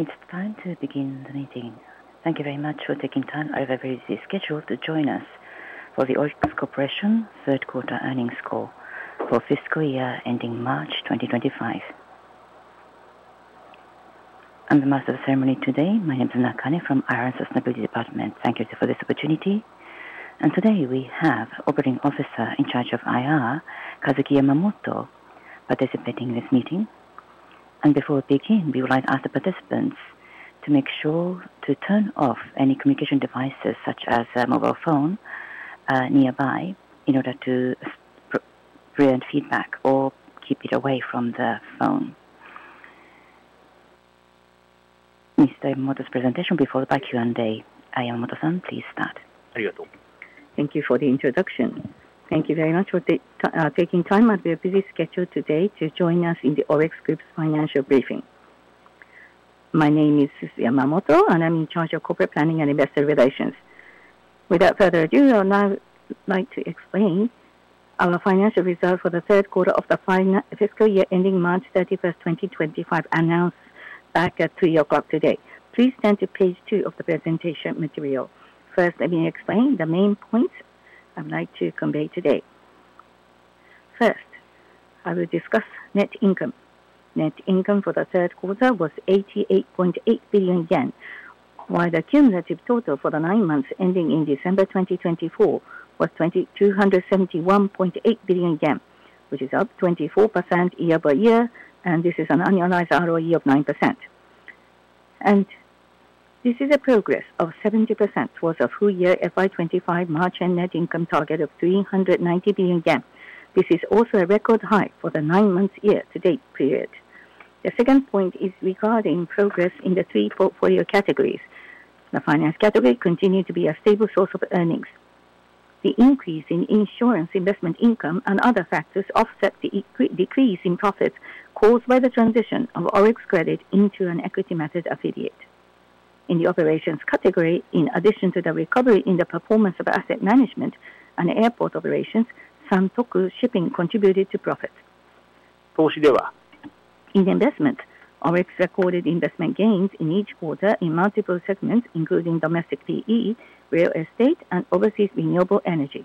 It's time to begin the meeting. Thank you very much for taking time out of your busy schedule to join us for the ORIX Corporation third-quarter earnings call for fiscal year ending March 2025. I'm the master of the ceremony today. My name is Nakane from ORIX Sustainability Department. Thank you for this opportunity. And today we have Operating Officer in charge of IR, Satoru Yamamoto, participating in this meeting. And before we begin, we would like to ask the participants to make sure to turn off any communication devices, such as a mobile phone, nearby, in order to prevent feedback or keep it away from the phone. Mr. Yamamoto's presentation will be followed by Q&A. Yamamoto-san, please start. Thank you for the introduction. Thank you very much for taking time out of your busy schedule today to join us in the ORIX Group's financial briefing. My name is Satoru Yamamoto, and I'm in charge of corporate planning and investor relations. Without further ado, I would now like to explain our financial results for the third quarter of the fiscal year ending March 31st, 2025, announced back at 3:00 P.M. today. Please turn to Page 2 of the presentation material. First, let me explain the main points I'd like to convey today. First, I will discuss net income. Net income for the third quarter was 88.8 billion yen, while the cumulative total for the nine months ending in December 2024 was 271.8 billion yen, which is up 24% year-over-year, and this is an annualized ROE of 9%. This is a progress of 70% towards the full-year FY 2025 March net income target of 390 billion yen. This is also a record high for the nine-month year to date. The second point is regarding progress in the three portfolio categories. The finance category continued to be a stable source of earnings. The increase in insurance investment income and other factors offset the decrease in profits caused by the transition of ORIX Credit into an equity-method affiliate. In the operations category, in addition to the recovery in the performance of asset management and airport operations, Santoku Shipping contributed to profits. In investment, ORIX recorded investment gains in each quarter in multiple segments, including domestic PE, real estate, and overseas renewable energy.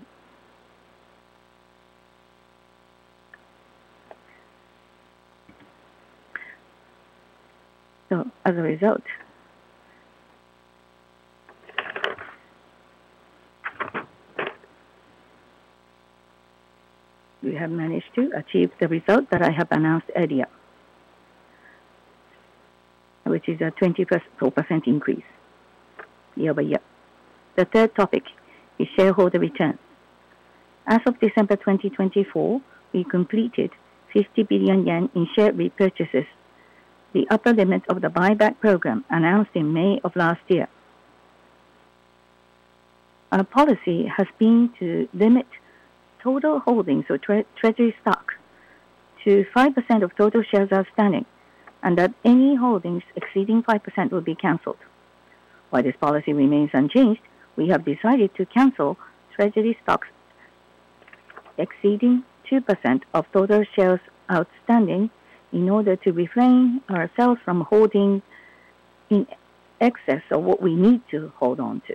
So, as a result, we have managed to achieve the result that I have announced earlier, which is a 24% increase year-over-year. The third topic is shareholder return. As of December 2024, we completed 50 billion yen in share repurchases, the upper limit of the buyback program announced in May of last year. Our policy has been to limit total holdings of treasury stocks to 5% of total shares outstanding, and that any holdings exceeding 5% will be canceled. While this policy remains unchanged, we have decided to cancel treasury stocks exceeding 2% of total shares outstanding in order to refrain ourselves from holding in excess of what we need to hold on to.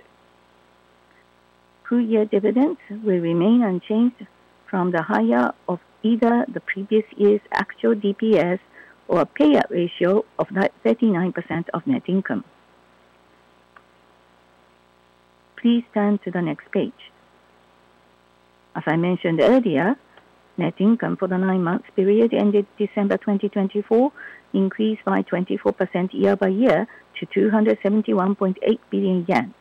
Full-year dividends will remain unchanged from the higher of either the previous year's actual DPS or payout ratio of 39% of net income. Please turn to the next page. As I mentioned earlier, net income for the nine-month period ended December 2024 increased by 24% year-over-year to 271.8 billion yen.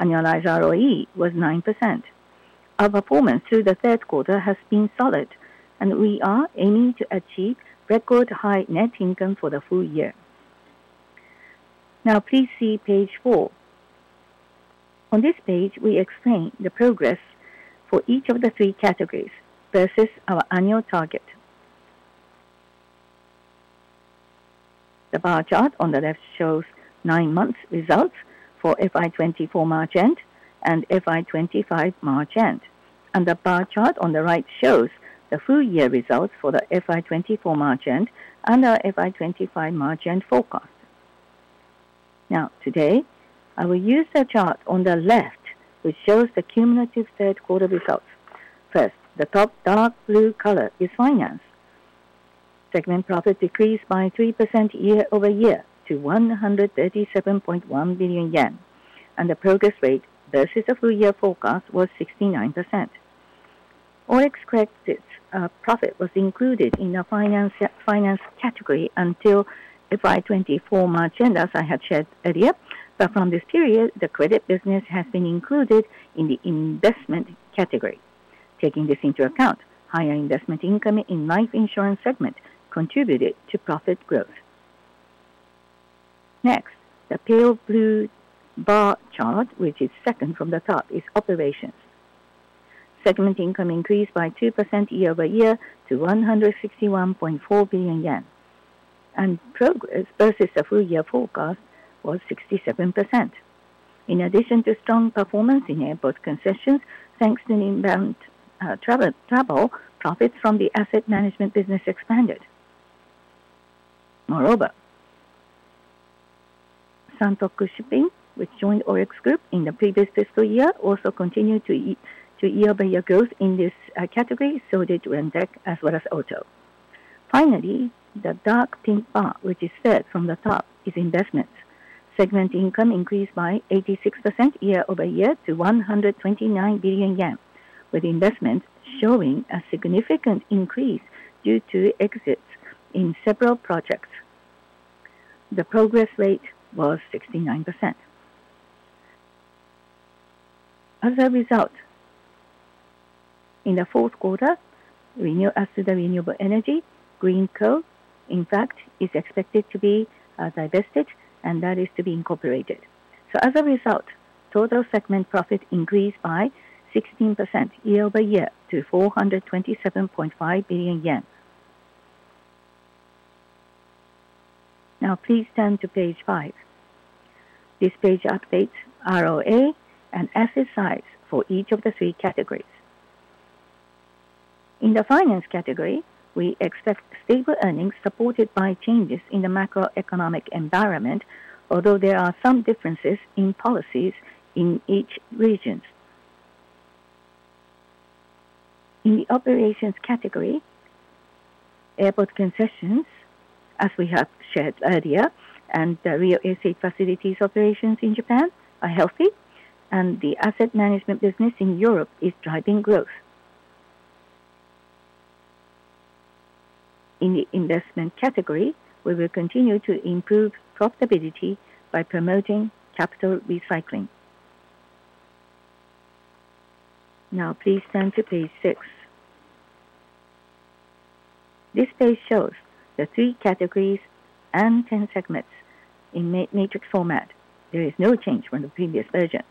Annualized ROE was 9%. Our performance through the third quarter has been solid, and we are aiming to achieve record-high net income for the full year. Now, please see Page 4. On this page, we explain the progress for each of the three categories versus our annual target. The bar chart on the left shows nine-month results for FY 2024 March and FY 2025 March, and the bar chart on the right shows the full-year results for the FY 2024 March and the FY 2025 March forecast. Now, today, I will use the chart on the left, which shows the cumulative third-quarter results. First, the top dark blue color is finance. Segment profit decreased by 3% year-over-year to 137.1 billion yen, and the progress rate versus the full-year forecast was 69%. ORIX Credit profit was included in the finance category until FY 2024 March, as I had shared earlier, but from this period, the credit business has been included in the investment category. Taking this into account, higher investment income in life insurance segment contributed to profit growth. Next, the pale blue bar chart, which is second from the top, is operations. Segment income increased by 2% year-over-year to 161.4 billion yen, and progress versus the full-year forecast was 67%. In addition to strong performance in airport concessions, thanks to inbound travel, profits from the asset management business expanded. Moreover, Santoku Shipping, which joined ORIX Group in the previous fiscal year, also continued to year-over-year growth in this category, so did ORIX Rentec as well as ORIX Auto. Finally, the dark pink bar, which is third from the top, is investments. Segment income increased by 86% year-over-year to 129 billion yen, with investments showing a significant increase due to exits in several projects. The progress rate was 69%. As a result, in the fourth quarter, renewable asset of renewable energy, Greenko, in fact, is expected to be divested, and that is to be incorporated. So, as a result, total segment profit increased by 16% year-over-year to JPY 427.5 billion. Now, please turn to Page 5. This page updates ROA and asset size for each of the three categories. In the finance category, we expect stable earnings supported by changes in the macroeconomic environment, although there are some differences in policies in each region. In the operations category, airport concessions, as we have shared earlier, and the real estate facilities operations in Japan are healthy, and the asset management business in Europe is driving growth. In the investment category, we will continue to improve profitability by promoting capital recycling. Now, please turn to Page 6. This page shows the three categories and 10 segments in matrix format. There is no change from the previous version.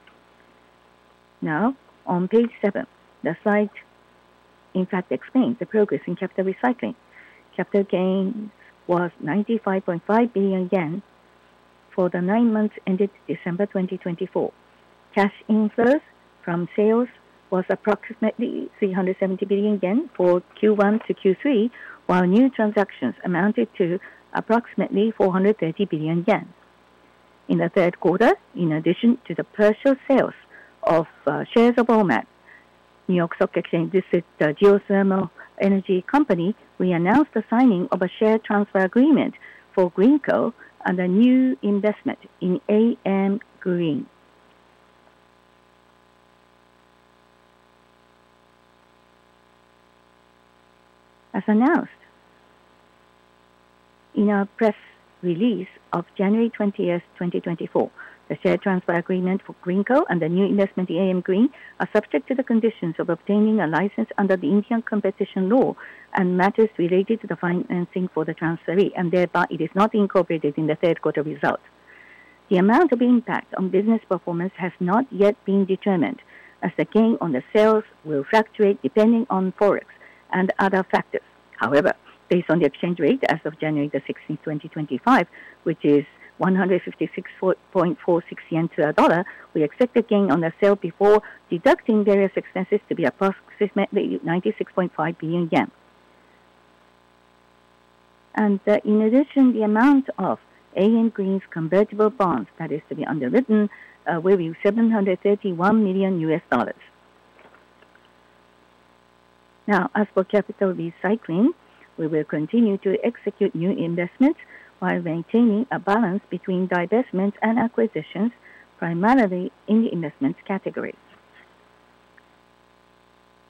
Now, on Page 7, the slide, in fact, explains the progress in capital recycling. Capital gains was 95.5 billion yen for the nine months ended December 2024. Cash inflows from sales was approximately 370 billion yen for Q1 to Q3, while new transactions amounted to approximately 430 billion yen. In the third quarter, in addition to the partial sales of shares of Ormat, New York Stock Exchange-listed geothermal energy company, we announced the signing of a share transfer agreement for Greenko and a new investment in AM Green. As announced in our press release of January 20th, 2024, the share transfer agreement for Greenko and the new investment in AM Green are subject to the conditions of obtaining a license under the Indian Competition Law and matters related to the financing for the transfer fee, and thereby it is not incorporated in the third-quarter result. The amount of impact on business performance has not yet been determined, as the gain on the sales will fluctuate depending on forex and other factors. However, based on the exchange rate as of January the 16th, 2025, which is 156.46 yen to $1, we expect the gain on the sale before deducting various expenses to be approximately 96.5 billion yen. And in addition, the amount of AM Green's convertible bonds that is to be underwritten will be $731 million. Now, as for capital recycling, we will continue to execute new investments while maintaining a balance between divestments and acquisitions, primarily in the investments category.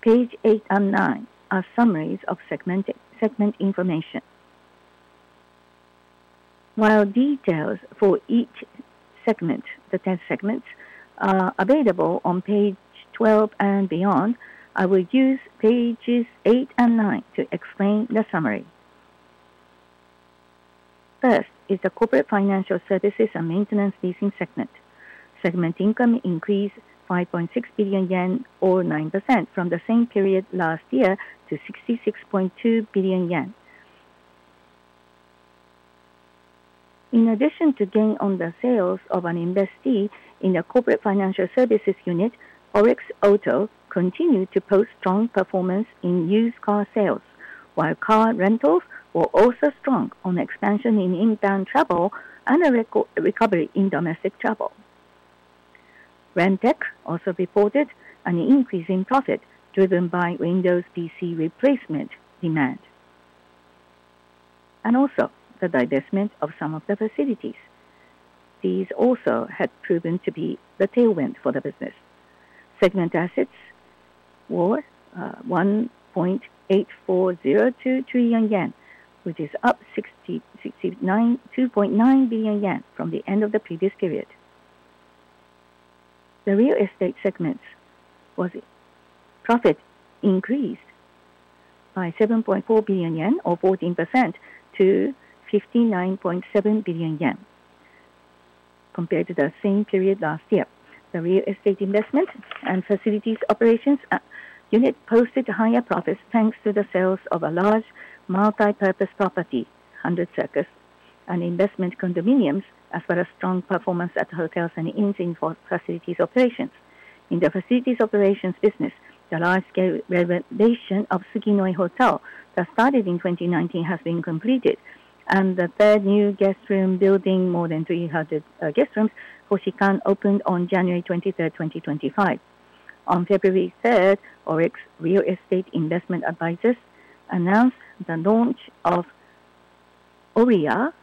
Page 8 and Page 9 are summaries of segment information. While details for each segment, the 10 segments, are available on Page 12 and beyond, I will use Pages 8 and 9 to explain the summary. First is the corporate financial services and maintenance leasing segment. Segment income increased 5.6 billion yen, or 9%, from the same period last year to 66.2 billion yen. In addition to gain on the sales of an investee in the corporate financial services unit, ORIX Auto continued to post strong performance in used car sales, while car rentals were also strong on expansion in inbound travel and a recovery in domestic travel. ORIX Rentec also reported an increase in profit driven by Windows PC replacement demand. And also, the divestment of some of the facilities. These also had proven to be the tailwind for the business. Segment assets were 1.8402 trillion yen, which is up 69.2 billion yen from the end of the previous period. The real estate segment's profit increased by 7.4 billion yen, or 14%, to 59.7 billion yen compared to the same period last year. The real estate investment and facilities operations unit posted higher profits thanks to the sales of a large multipurpose property, 100 Circus, and investment condominiums, as well as strong performance at hotels and inns in facilities operations. In the facilities operations business, the large-scale renovation of Suginoi Hotel that started in 2019 has been completed, and the brand new guest room building, more than 300 guest rooms, Hoshikan, opened on January 23rd, 2025. On February 3rd, ORIX Real Estate Investment Advisors announced the launch of ORIA,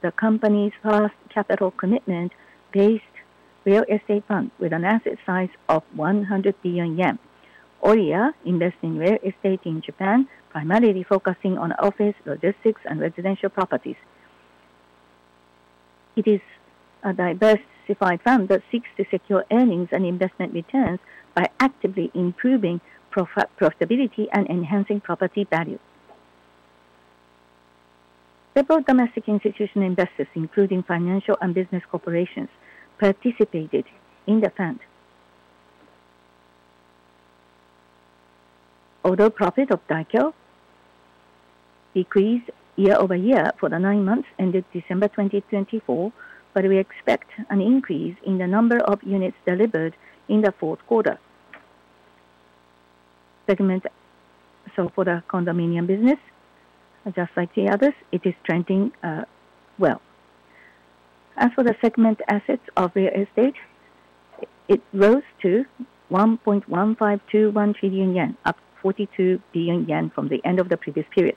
the company's first capital commitment-based real estate fund with an asset size of 100 billion yen. ORIA invests in real estate in Japan, primarily focusing on office, logistics, and residential properties. It is a diversified fund that seeks to secure earnings and investment returns by actively improving profitability and enhancing property value. Several domestic institutional investors, including financial and business corporations, participated in the fund. Although profit of Daikyo decreased year-over-year for the nine months ended December 2024, we expect an increase in the number of units delivered in the fourth quarter. Segment. So for the condominium business, just like the others, it is trending well. As for the segment assets of real estate, it rose to 1.1521 trillion yen, up 42 billion yen from the end of the previous period.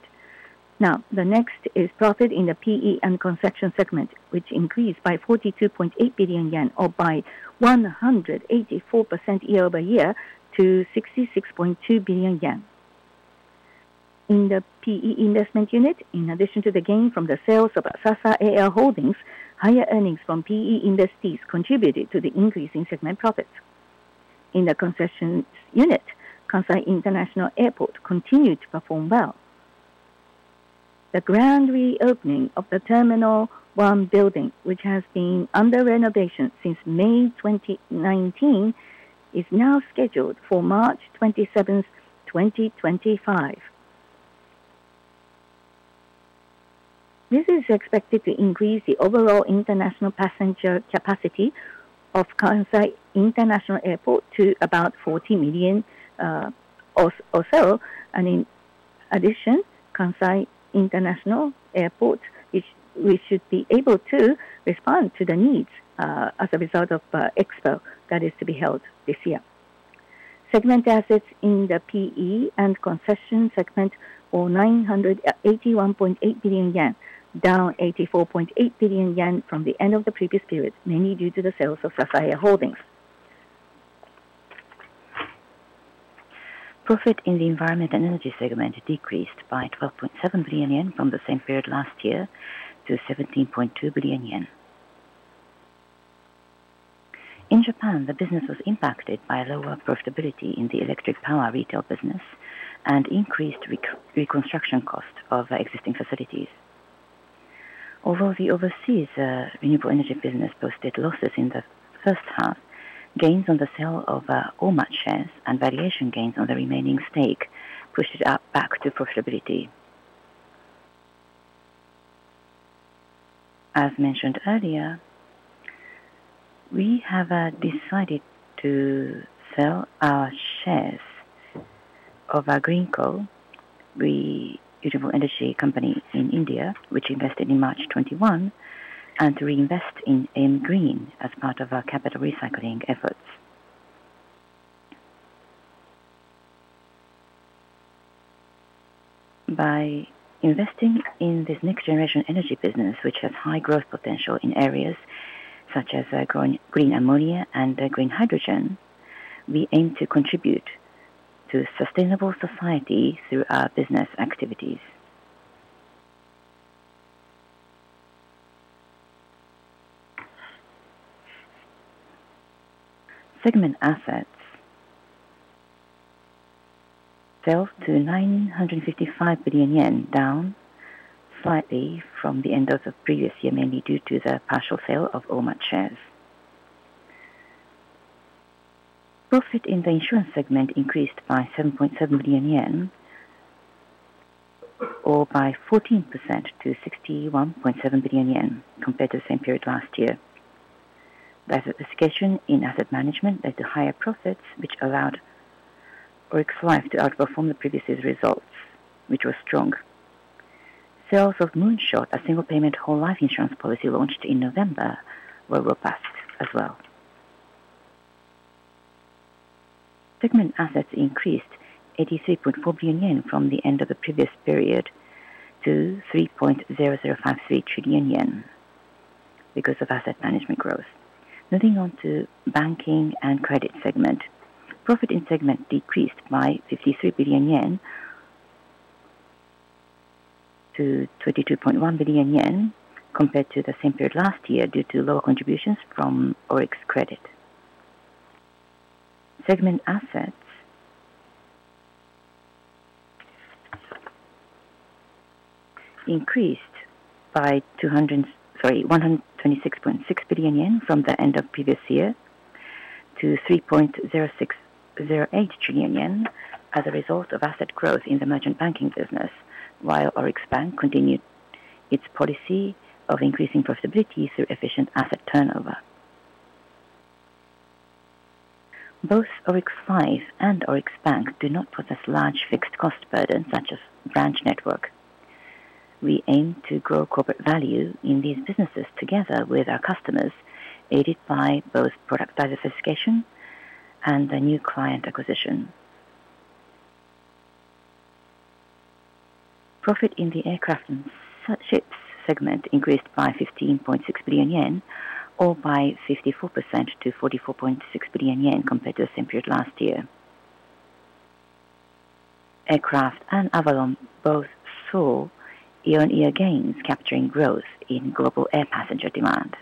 Now, the next is profit in the PE and concession segment, which increased by 42.8 billion yen, or by 184% year-over-year, to 66.2 billion yen. In the PE investment unit, in addition to the gain from the sales of Sasaeah Holdings, higher earnings from PE investees contributed to the increase in segment profits. In the concession unit, Kansai International Airport continued to perform well. The grand reopening of the Terminal 1 building, which has been under renovation since May 2019, is now scheduled for March 27th, 2025. This is expected to increase the overall international passenger capacity of Kansai International Airport to about 40 million or so. In addition, Kansai International Airport should be able to respond to the needs as a result of the expo that is to be held this year. Segment assets in the PE and concession segment were 981.8 billion yen, down 84.8 billion yen from the end of the previous period, mainly due to the sales of Sasaeah Holdings. Profit in the environment and energy segment decreased by 12.7 billion yen from the same period last year to 17.2 billion yen. In Japan, the business was impacted by lower profitability in the electric power retail business and increased reconstruction costs of existing facilities. Although the overseas renewable energy business posted losses in the first half, gains on the sale of Ormat shares and valuation gains on the remaining stake pushed it back to profitability. As mentioned earlier, we have decided to sell our shares of Greenko, the renewable energy company in India, which invested in March 2021, and to reinvest in AM Green as part of our capital recycling efforts. By investing in this next-generation energy business, which has high growth potential in areas such as green ammonia and green hydrogen, we aim to contribute to a sustainable society through our business activities. Segment assets fell to 955 billion yen, down slightly from the end of the previous year, mainly due to the partial sale of Ormat shares. Profit in the insurance segment increased by 7.7 billion yen, or by 14%, to 61.7 billion yen compared to the same period last year. was an escalation in asset management led to higher profits, which allowed ORIX Life to outperform the previous year's results, which was strong. Sales of Moonshot, a single-payment whole life insurance policy launched in November, were robust as well. Segment assets increased 83.4 billion yen from the end of the previous period to 3.0053 trillion yen because of asset management growth. Moving on to banking and credit segment, profit in segment decreased by 53 billion yen to 22.1 billion yen compared to the same period last year due to lower contributions from ORIX Credit. Segment assets increased by 126.6 billion yen from the end of the previous year to 3.0608 trillion yen as a result of asset growth in the merchant banking business, while ORIX Bank continued its policy of increasing profitability through efficient asset turnover. Both ORIX Life and ORIX Bank do not possess large fixed cost burdens such as branch network. We aim to grow corporate value in these businesses together with our customers, aided by both product diversification and the new client acquisition. Profit in the aircraft and ships segment increased by 15.6 billion yen, or by 54%, to 44.6 billion yen compared to the same period last year. Aircraft and Avolon both saw year-on-year gains, capturing growth in global air passenger demand.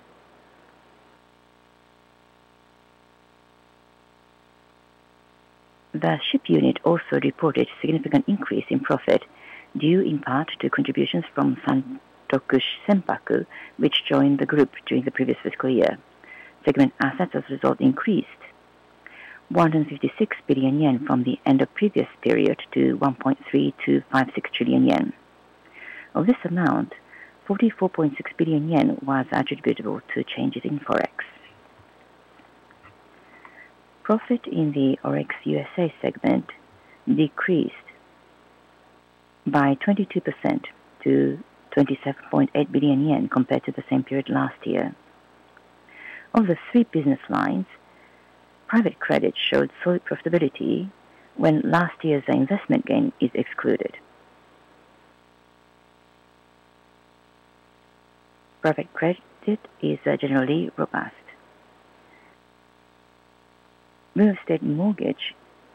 The ship unit also reported a significant increase in profit due, in part, to contributions from Santoku Senpaku, which joined the group during the previous fiscal year. Segment assets, as a result, increased 156 billion yen from the end of the previous period to 1.3256 trillion yen. Of this amount, 44.6 billion yen was attributable to changes in forex. Profit in the ORIX USA segment decreased by 22% to 27.8 billion yen compared to the same period last year. Of the three business lines, private credit showed solid profitability when last year's investment gain is excluded. Private credit is generally robust. Real estate mortgage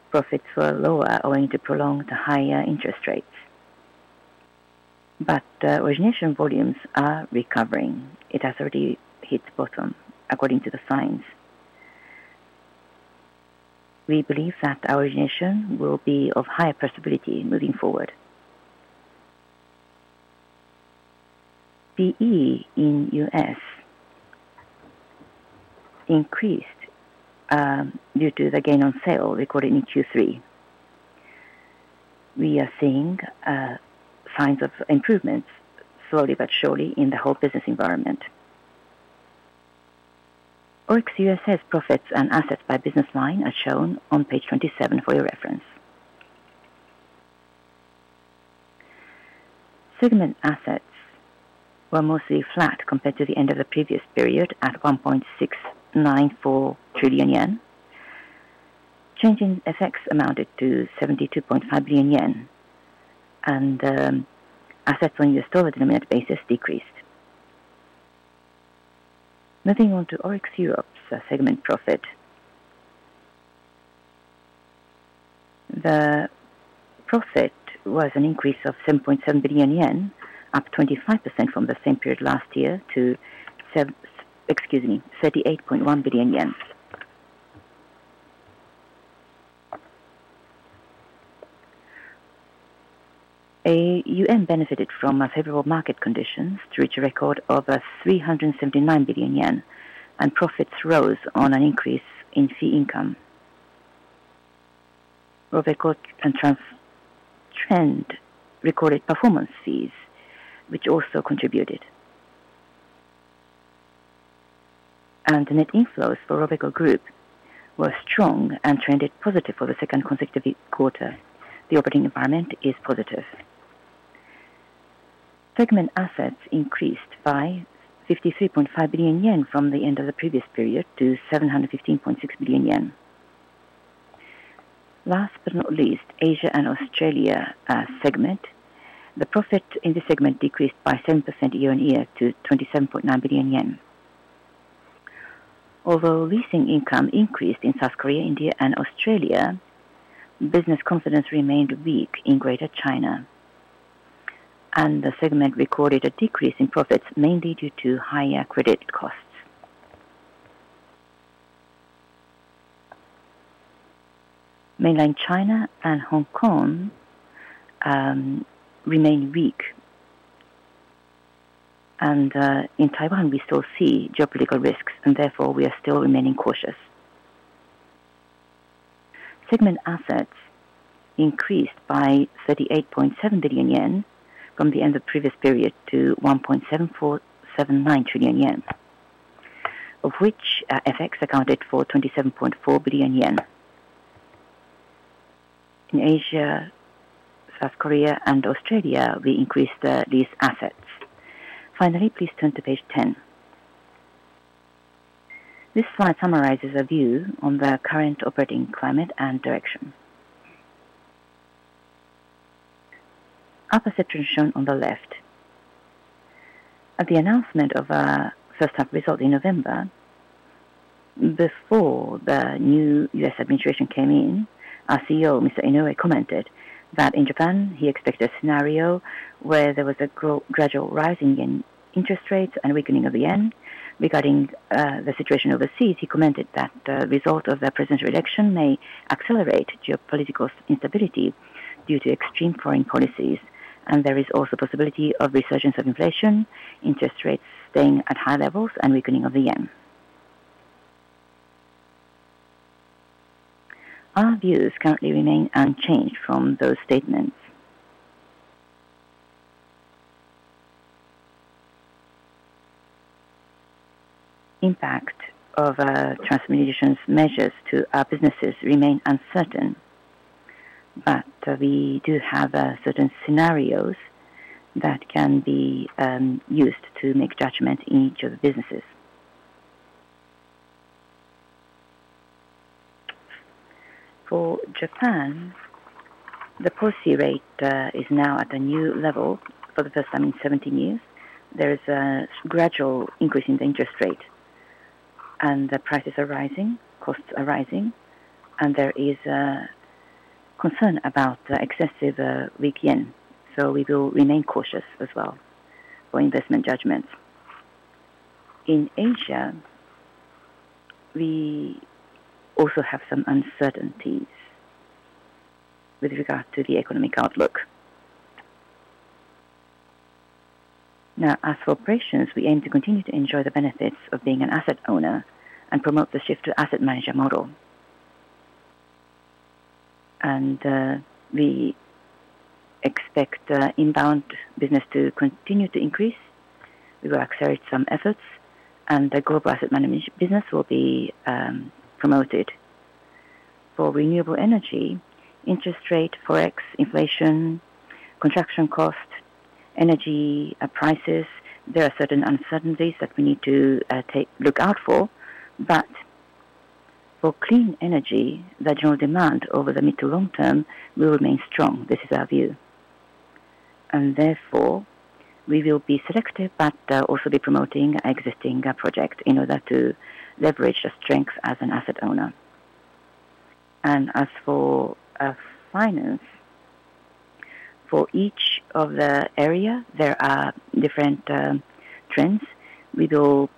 profits were lower, owing to prolonged higher interest rates, but origination volumes are recovering. It has already hit bottom, according to the signs. We believe that our origination will be of higher profitability moving forward. PE in U.S. increased due to the gain on sale recorded in Q3. We are seeing signs of improvement, slowly but surely, in the whole business environment. ORIX USA's profits and assets by business line are shown on Page 27 for your reference. Segment assets were mostly flat compared to the end of the previous period at 1.694 trillion yen. Exchange effects amounted to 72.5 billion yen, and assets on a year's total denominator basis decreased. Moving on to ORIX Europe's segment profit, the profit was an increase of 7.7 billion yen, up 25% from the same period last year, to 38.1 billion yen. AUM benefited from favorable market conditions to reach a record of 379 billion yen, and profits rose on an increase in fee income. Robeco and Transtrend recorded performance fees, which also contributed, and the net inflows for Robeco Group were strong and trended positive for the second consecutive quarter. The operating environment is positive. Segment assets increased by 53.5 billion yen from the end of the previous period to 715.6 billion yen. Last but not least, Asia and Australia segment, the profit in this segment decreased by 7% year-on-year to 27.9 billion yen. Although leasing income increased in South Korea, India, and Australia, business confidence remained weak in Greater China, and the segment recorded a decrease in profits, mainly due to higher credit costs. Mainland China and Hong Kong remain weak, and in Taiwan, we still see geopolitical risks, and therefore, we are still remaining cautious. Segment assets increased by 38.7 billion yen from the end of the previous period to 1.779 trillion yen, of which effects accounted for 27.4 billion yen. In Asia, South Korea, and Australia, we increased these assets. Finally, please turn to Page 10. This slide summarizes a view on the current operating climate and direction. Opposite trend shown on the left. At the announcement of our first-half result in November, before the new U.S. administration came in, our CEO, Mr. Inoue commented that in Japan, he expected a scenario where there was a gradual rising in interest rates and weakening of the yen. Regarding the situation overseas, he commented that the result of the presidential election may accelerate geopolitical instability due to extreme foreign policies, and there is also the possibility of resurgence of inflation, interest rates staying at high levels, and weakening of the yen. Our views currently remain unchanged from those statements. Impact of transmission measures to our businesses remains uncertain, but we do have certain scenarios that can be used to make judgment in each of the businesses. For Japan, the policy rate is now at a new level for the first time in 17 years. There is a gradual increase in the interest rate, and the prices are rising, costs are rising, and there is concern about excessively weak yen, so we will remain cautious as well for investment judgments. In Asia, we also have some uncertainties with regard to the economic outlook. Now, as for operations, we aim to continue to enjoy the benefits of being an asset owner and promote the shift to asset management model, and we expect inbound business to continue to increase. We will accelerate some efforts, and the global asset management business will be promoted. For renewable energy, interest rate, forex, inflation, construction cost, energy prices, there are certain uncertainties that we need to look out for. But for clean energy, the general demand over the mid to long term will remain strong. This is our view. And therefore, we will be selective but also be promoting existing projects in order to leverage the strength as an asset owner. And as for finance, for each of the areas, there are different trends. We will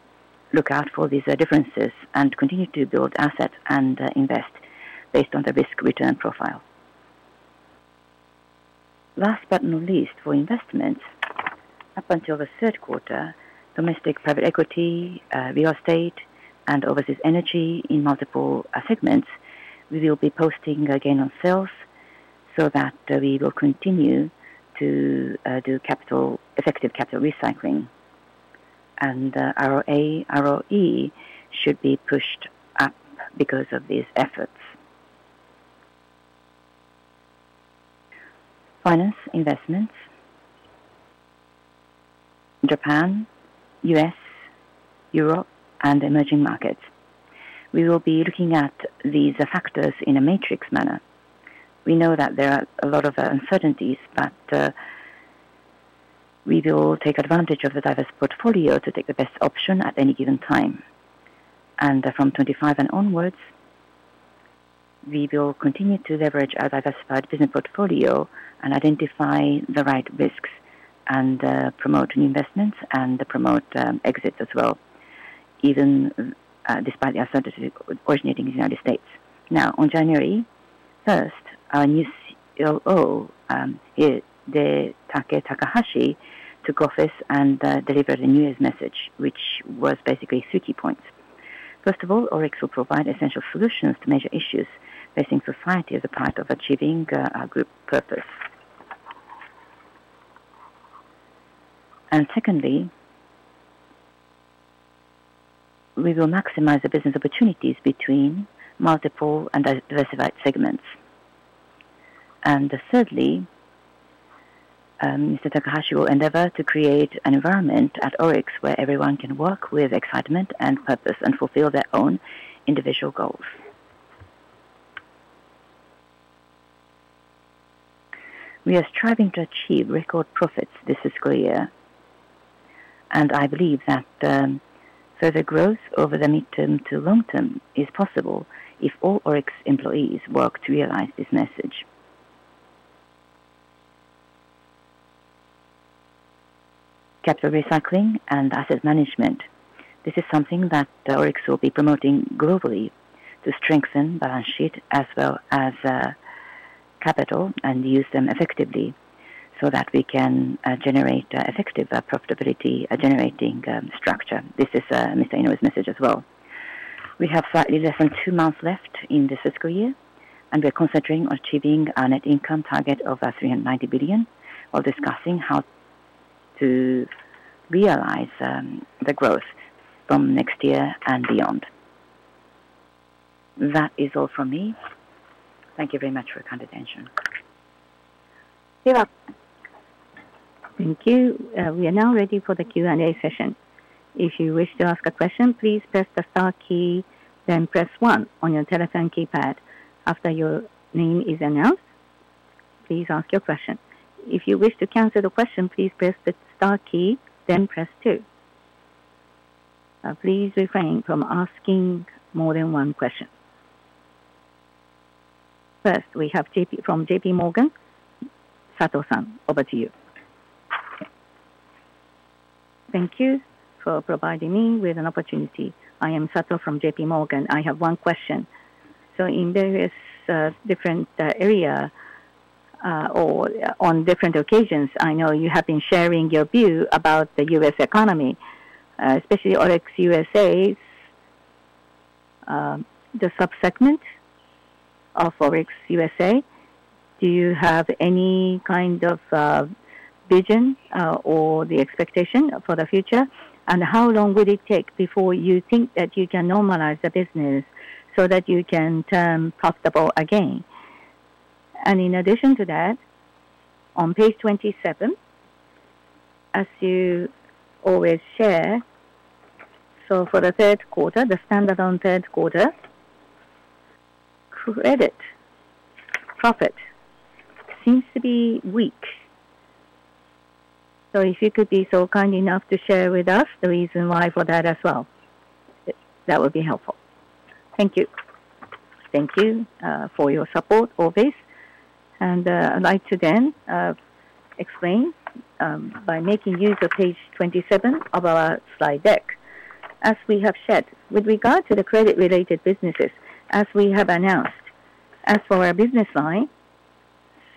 look out for these differences and continue to build assets and invest based on the risk-return profile. Last but not least, for investments, up until the third quarter, domestic private equity, real estate, and overseas energy in multiple segments, we will be posting gain on sales so that we will continue to do effective capital recycling. And ROE should be pushed up because of these efforts. Finance investments, Japan, U.S., Europe, and emerging markets. We will be looking at these factors in a matrix manner. We know that there are a lot of uncertainties, but we will take advantage of the diverse portfolio to take the best option at any given time. And from 2025 and onwards, we will continue to leverage our diversified business portfolio and identify the right risks and promote new investments and promote exits as well, even despite the uncertainty originating in the United States. Now, on January 1st, our new COO, Toyonori Takahashi, took office and delivered a news message, which was basically three key points. First of all, ORIX will provide essential solutions to major issues facing society as a part of achieving our group purpose. And secondly, we will maximize the business opportunities between multiple and diversified segments. And thirdly, Mr. Takahashi will endeavor to create an environment at ORIX where everyone can work with excitement and purpose and fulfill their own individual goals. We are striving to achieve record profits this fiscal year, and I believe that further growth over the mid-term to long-term is possible if all ORIX employees work to realize this message. Capital recycling and asset management, this is something that ORIX will be promoting globally to strengthen balance sheet as well as capital and use them effectively so that we can generate effective profitability-generating structure. This is Mr. Inoue's message as well. We have slightly less than two months left in this fiscal year, and we are concentrating on achieving our net income target of 390 billion while discussing how to realize the growth from next year and beyond. That is all from me. Thank you very much for your kind attention. Thank you. We are now ready for the Q&A session. If you wish to ask a question, please press the star key, then press 1 on your telephone keypad. After your name is announced, please ask your question. If you wish to cancel the question, please press the star key, then press 2. Please refrain from asking more than one question. First, we have from JPMorgan, Sato-san. Over to you. Thank you for providing me with an opportunity. I am Sato from JPMorgan. I have one question. So in various different areas or on different occasions, I know you have been sharing your view about the U.S. economy, especially ORIX USA, the subsegment of ORIX USA. Do you have any kind of vision or the expectation for the future? And how long would it take before you think that you can normalize the business so that you can turn profitable again? In addition to that, on Page 27, as you always share, so for the third quarter, the standalone third quarter, credit profit seems to be weak. So if you could be so kind enough to share with us the reason why for that as well, that would be helpful. Thank you. Thank you for your support always. I'd like to then explain by making use of Page 27 of our slide deck, as we have shared with regard to the credit-related businesses, as we have announced, as for our business line,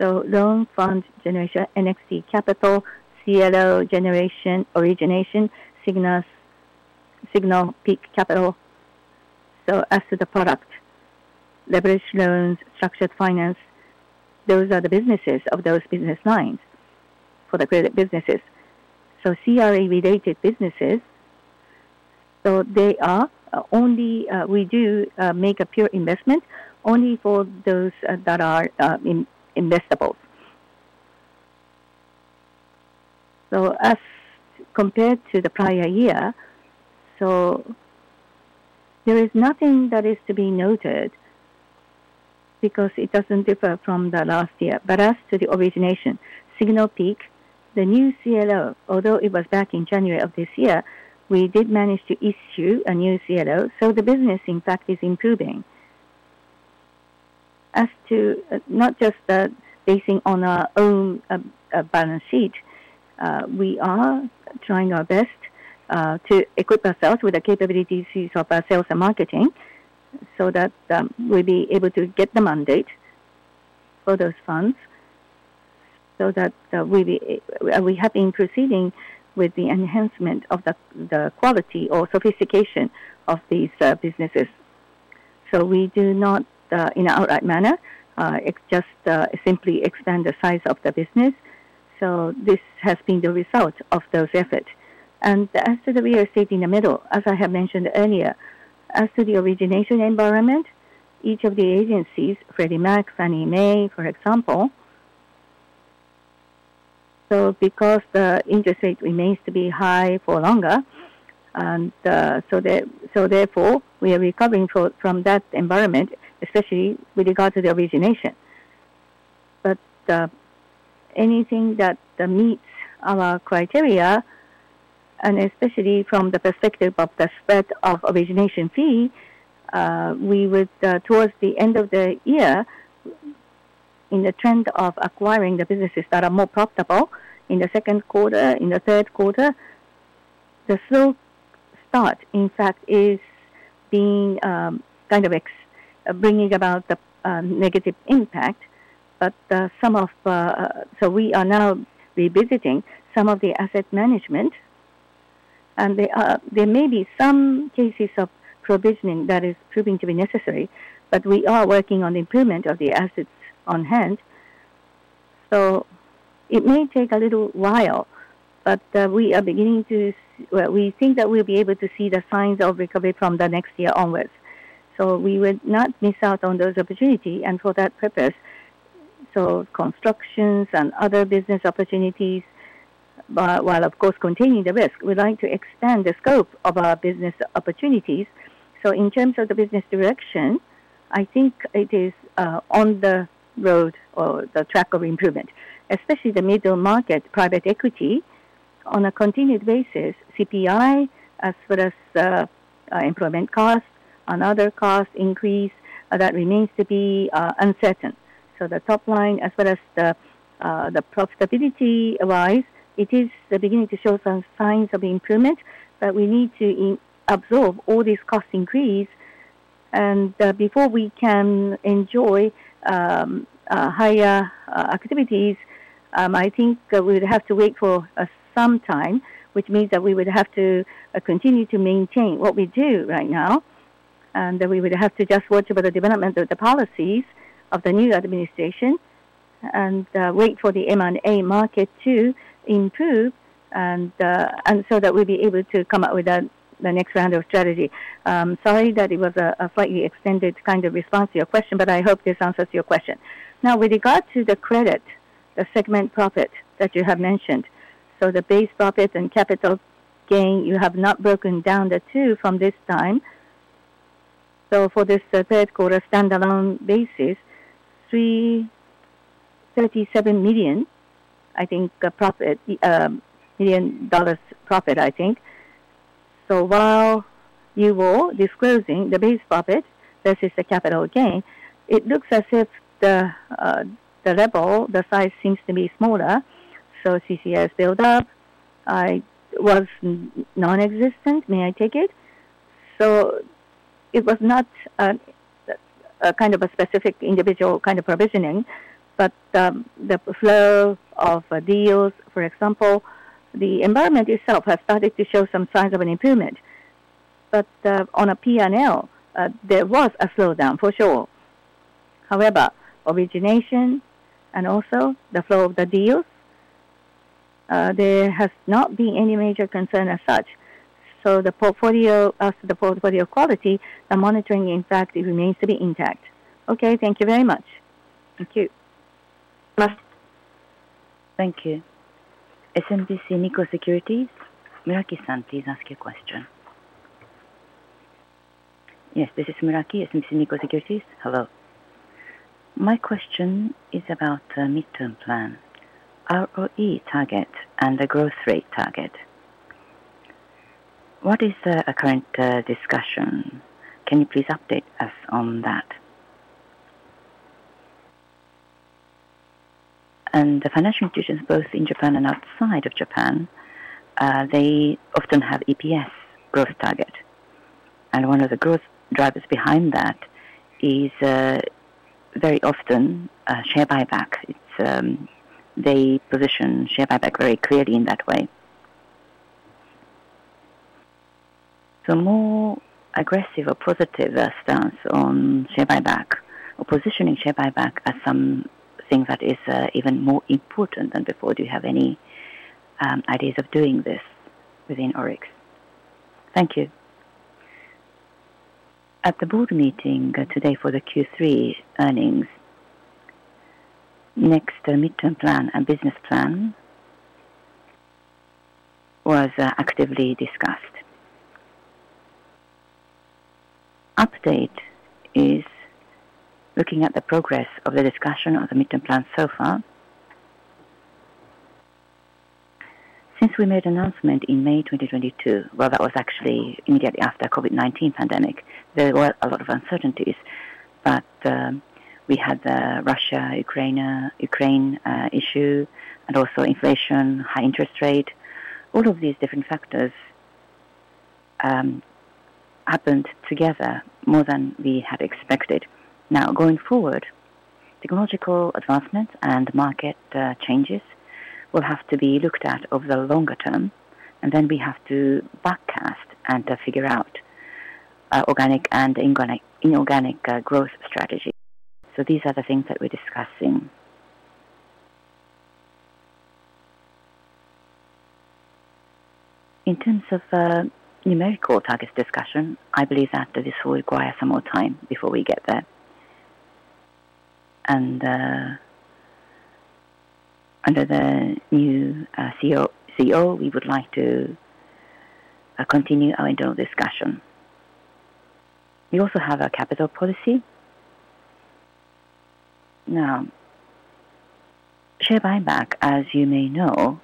so loan, fund generation, NXT Capital, CLO generation, origination, Signal Peak Capital. So as to the product, leverage loans, structured finance, those are the businesses of those business lines for the credit businesses. So CRA-related businesses, so they are only we do make a pure investment only for those that are investables. As compared to the prior year, there is nothing that is to be noted because it doesn't differ from the last year. As to the origination, Signal Peak, the new CLO, although it was back in January of this year, we did manage to issue a new CLO, so the business, in fact, is improving. As to not just basing on our own balance sheet, we are trying our best to equip ourselves with the capabilities of our sales and marketing so that we'll be able to get the mandate for those funds, so that we have been proceeding with the enhancement of the quality or sophistication of these businesses. We do not, in an outright manner, just simply expand the size of the business. This has been the result of those efforts. As to the real estate in the middle, as I have mentioned earlier, as to the origination environment, each of the agencies, Freddie Mac, Fannie Mae, for example, so because the interest rate remains to be high for longer, and so therefore, we are recovering from that environment, especially with regard to the origination. But anything that meets our criteria, and especially from the perspective of the spread of origination fee, we would, towards the end of the year, in the trend of acquiring the businesses that are more profitable in the second quarter. In the third quarter, the slow start, in fact, is being kind of bringing about the negative impact. We are now revisiting some of the asset management, and there may be some cases of provisioning that is proving to be necessary, but we are working on the improvement of the assets on hand. It may take a little while, but we are beginning to think that we'll be able to see the signs of recovery from the next year onwards, so we would not miss out on those opportunities. And for that purpose, constructions and other business opportunities, while, of course, continuing the risk, we'd like to expand the scope of our business opportunities. In terms of the business direction, I think it is on the road or the track of improvement, especially the middle market private equity on a continued basis, CPI as well as employment costs and other cost increase that remains to be uncertain. So the top line, as well as the profitability-wise, it is beginning to show some signs of improvement, but we need to absorb all these cost increases. And before we can enjoy higher activities, I think we would have to wait for some time, which means that we would have to continue to maintain what we do right now, and we would have to just watch over the development of the policies of the new administration and wait for the M&A market to improve so that we'll be able to come up with the next round of strategy. Sorry that it was a slightly extended kind of response to your question, but I hope this answers your question. Now, with regard to the credit, the segment profit that you have mentioned, so the base profit and capital gain, you have not broken down the two from this time. So for this third quarter standalone basis, $337 million, I think, dollars profit, I think. So while you were disclosing the base profit versus the capital gain, it looks as if the level, the size seems to be smaller. So CECL build-up was nonexistent, may I take it? So it was not kind of a specific individual kind of provisioning, but the flow of deals, for example, the environment itself has started to show some signs of an improvement. But on a P&L, there was a slowdown for sure. However, origination and also the flow of the deals, there has not been any major concern as such. So as to the portfolio quality, the monitoring, in fact, remains to be intact. Okay, thank you very much. Thank you. Thank you. SMBC Nikko Securities, Muraki-san, please ask your question. Yes, this is Muraki, SMBC Nikko Securities. Hello.My question is about the midterm plan, ROE target, and the growth rate target. What is the current discussion? Can you please update us on that? And the financial institutions, both in Japan and outside of Japan, they often have EPS growth target. And one of the growth drivers behind that is very often share buyback. They position share buyback very clearly in that way. So more aggressive or positive stance on share buyback or positioning share buyback as something that is even more important than before. Do you have any ideas of doing this within ORIX? Thank you. At the board meeting today for the Q3 earnings, next midterm plan and business plan was actively discussed. Update is looking at the progress of the discussion of the midterm plan so far. Since we made an announcement in May 2022, well, that was actually immediately after the COVID-19 pandemic, there were a lot of uncertainties, but we had the Russia-Ukraine issue and also inflation, high interest rate. All of these different factors happened together more than we had expected. Now, going forward, technological advancements and market changes will have to be looked at over the longer term, and then we have to backtest and figure out organic and inorganic growth strategy, so these are the things that we're discussing. In terms of numerical target discussion, I believe that this will require some more time before we get there, and under the new CEO, we would like to continue our internal discussion. We also have a capital policy. Now, share buyback, as you may know,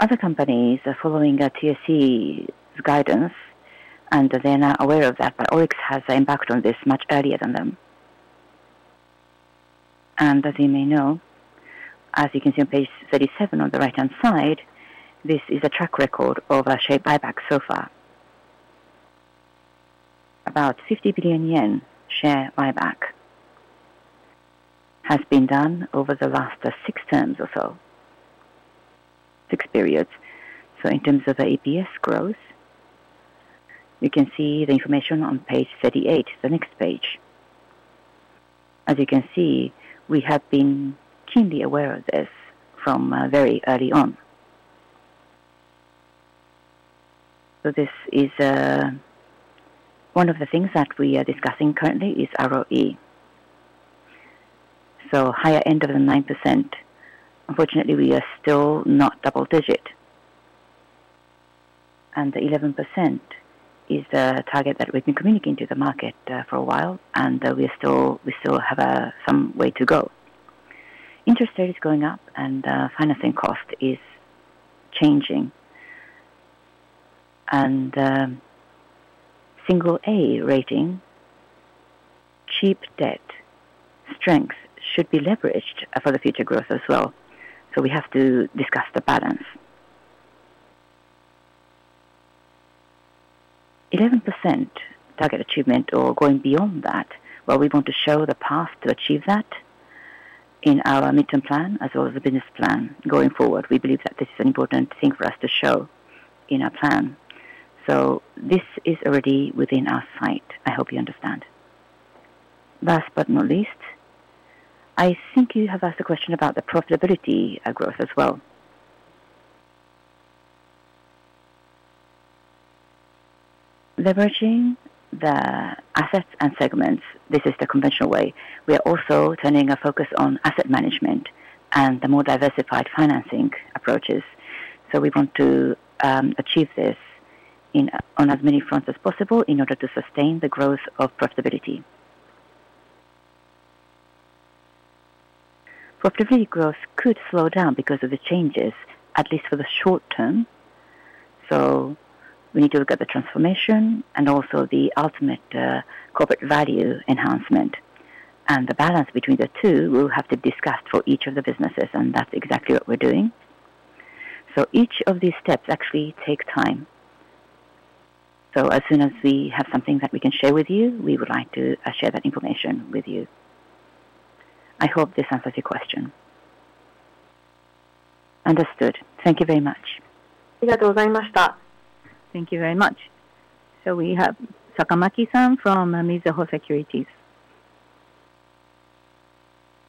other companies are following TSC's guidance, and they're now aware of that, but ORIX has impacted on this much earlier than them, and as you may know, as you can see on Page 37 on the right-hand side, this is a track record of share buyback so far. About JPY 50 billion share buyback has been done over the last six terms or so, six periods. In terms of the EPS growth, you can see the information on Page 38, the next page. As you can see, we have been keenly aware of this from very early on. This is one of the things that we are discussing currently is ROE. Higher end of the 9%. Unfortunately, we are still not double-digit. The 11% is the target that we've been communicating to the market for a while, and we still have some way to go. Interest rate is going up, and financing cost is changing. Single-A rating, cheap debt strength should be leveraged for the future growth as well. We have to discuss the balance. 11% target achievement or going beyond that, well, we want to show the path to achieve that in our midterm plan as well as the business plan going forward. We believe that this is an important thing for us to show in our plan. This is already within our sight. I hope you understand. Last but not least, I think you have asked a question about the profitability growth as well. Leveraging the assets and segments, this is the conventional way. We are also turning our focus on asset management and the more diversified financing approaches. We want to achieve this on as many fronts as possible in order to sustain the growth of profitability. Profitability growth could slow down because of the changes, at least for the short term. We need to look at the transformation and also the ultimate corporate value enhancement, and the balance between the two we'll have to discuss for each of the businesses, and that's exactly what we're doing, so each of these steps actually take time, so as soon as we have something that we can share with you, we would like to share that information with you. I hope this answers your question. Understood. Thank you very much. Thank you very much. We have Sakamaki-san from Mizuho Securities.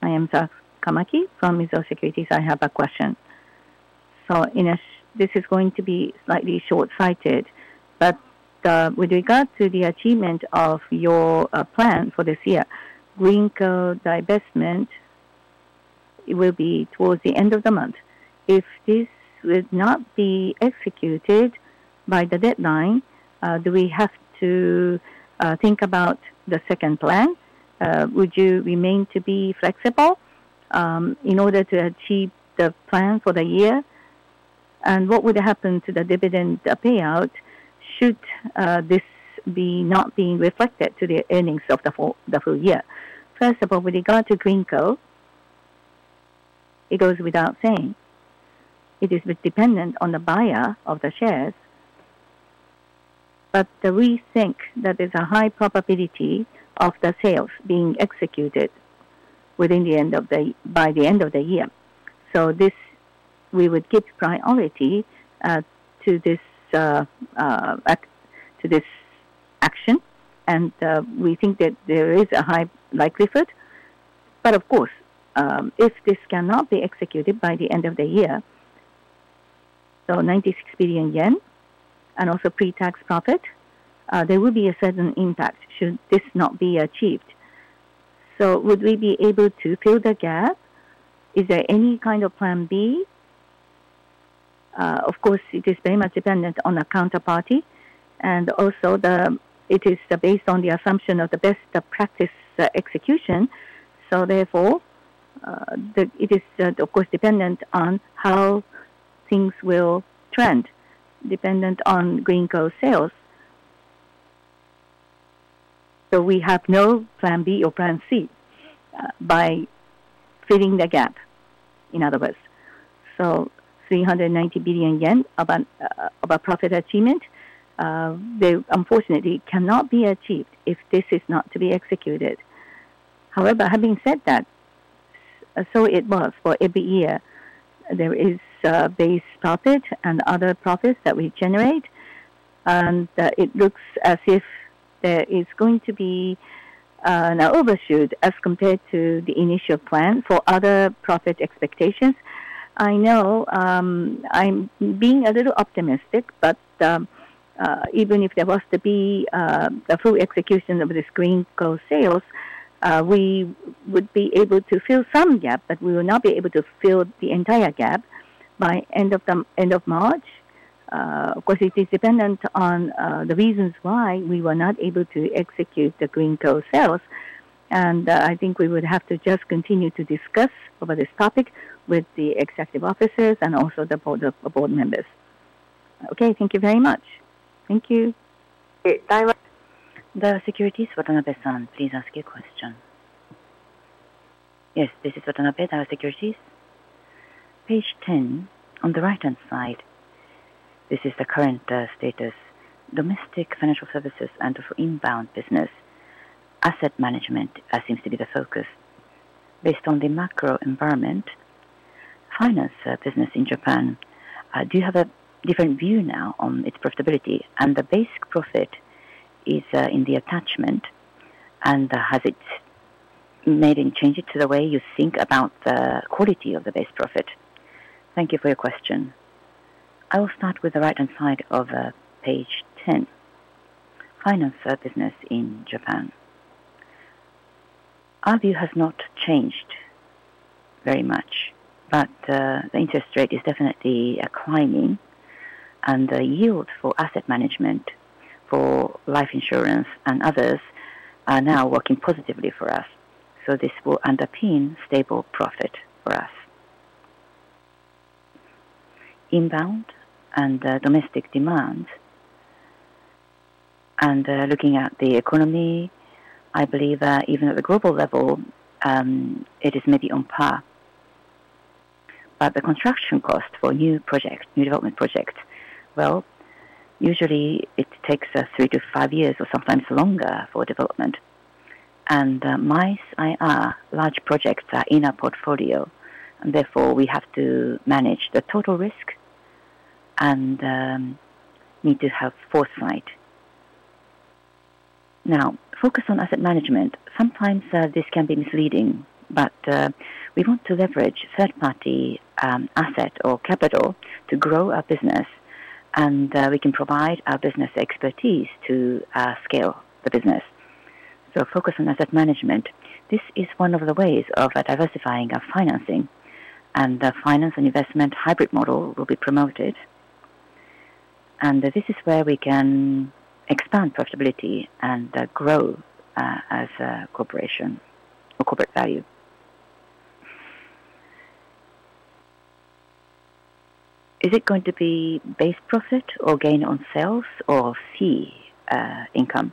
I am Sakamaki from Mizuho Securities. I have a question. This is going to be slightly short-sighted, but with regard to the achievement of your plan for this year, Greenko divestment will be towards the end of the month. If this would not be executed by the deadline, do we have to think about the second plan? Would you remain to be flexible in order to achieve the plan for the year? And what would happen to the dividend payout should this not be reflected to the earnings of the full year? First of all, with regard to Greenko, it goes without saying. It is dependent on the buyer of the shares, but we think that there's a high probability of the sales being executed by the end of the year. So we would give priority to this action, and we think that there is a high likelihood. But of course, if this cannot be executed by the end of the year, so 96 billion yen and also pre-tax profit, there will be a certain impact should this not be achieved. So would we be able to fill the gap? Is there any kind of plan B? Of course, it is very much dependent on the counterparty, and also it is based on the assumption of the best practice execution. So therefore, it is, of course, dependent on how things will trend, dependent on Greenko sales. So we have no plan B or plan C by filling the gap, in other words. So 390 billion yen of a profit achievement, unfortunately, cannot be achieved if this is not to be executed. However, having said that, so it was for every year, there is base profit and other profits that we generate, and it looks as if there is going to be an overshoot as compared to the initial plan for other profit expectations. I know I'm being a little optimistic, but even if there was to be the full execution of this Greenko sales, we would be able to fill some gap, but we will not be able to fill the entire gap by end of March. Of course, it is dependent on the reasons why we were not able to execute the Greenko sales, and I think we would have to just continue to discuss over this topic with the executive officers and also the board members. Okay, thank you very much. Thank you. Okay. The securities. Watanabe? Please ask your question. Yes, this is Daiwa Securities. Page 10 on the right-hand side. This is the current status. Domestic financial services and also inbound business. Asset management seems to be the focus. Based on the macro environment, finance business in Japan, do you have a different view now on its profitability? And the base profit is in the attachment, and has it made any changes to the way you think about the quality of the base profit? Thank you for your question. I will start with the right-hand side of Page 10. Finance business in Japan. Our view has not changed very much, but the interest rate is definitely climbing, and the yield for asset management for life insurance and others are now working positively for us. So this will underpin stable profit for us. Inbound and domestic demand. Looking at the economy, I believe even at the global level, it is maybe on par. The construction cost for new projects, new development projects, well, usually it takes us three to five years or sometimes longer for development. MICE IR, large projects are in our portfolio, and therefore we have to manage the total risk and need to have foresight. Now, focus on asset management. Sometimes this can be misleading, but we want to leverage third-party asset or capital to grow our business, and we can provide our business expertise to scale the business. Focus on asset management. This is one of the ways of diversifying our financing, and the finance and investment hybrid model will be promoted. This is where we can expand profitability and grow as a corporation or corporate value. Is it going to be base profit or gain on sales or fee income?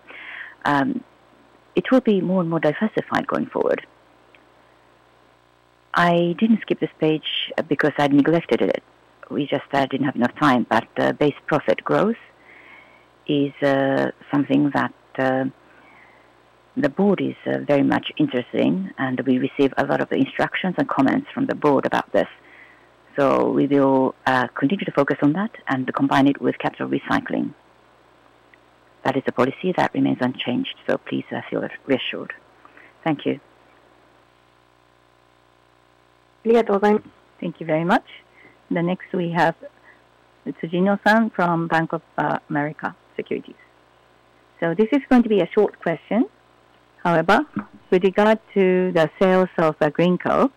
It will be more and more diversified going forward. I didn't skip this page because I neglected it. We just didn't have enough time, but the base profit growth is something that the board is very much interested in, and we receive a lot of instructions and comments from the board about this. So we will continue to focus on that and combine it with capital recycling. That is a policy that remains unchanged, so please feel reassured. Thank you. Thank you very much. The next we have Sugino-san from Bank of America Securities. So this is going to be a short question. However, with regard to the sales of Greenko,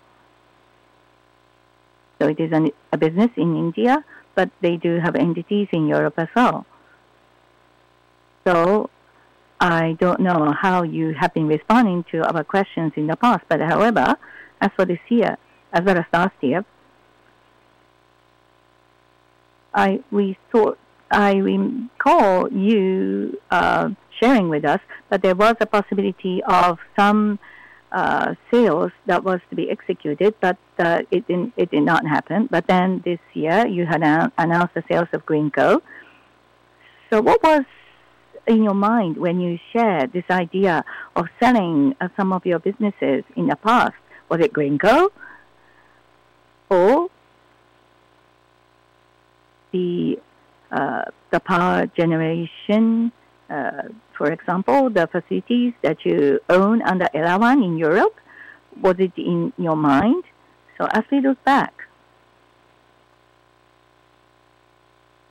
so it is a business in India, but they do have entities in Europe as well. So I don't know how you have been responding to our questions in the past, but however, as for this year, as well as last year, I recall you sharing with us that there was a possibility of some sales that was to be executed, but it did not happen. But then this year, you had announced the sales of Greenko. So what was in your mind when you shared this idea of selling some of your businesses in the past? Was it Greenko or the power generation, for example, the facilities that you own under Elawan in Europe? Was it in your mind? So as we look back,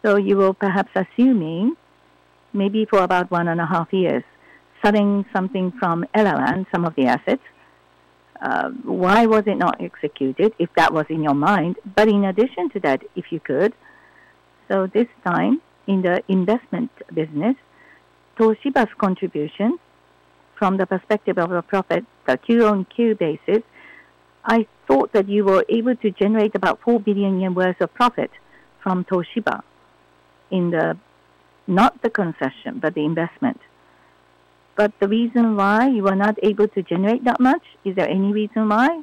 so you were perhaps assuming maybe for about one and a half years, selling something from Elawan, some of the assets. Why was it not executed if that was in your mind? But in addition to that, if you could, so this time in the investment business, Toshiba's contribution from the perspective of a profit on a Q basis, I thought that you were able to generate about 4 billion yen worth of profit from Toshiba, not the concession, but the investment. But the reason why you were not able to generate that much? Is there any reason why?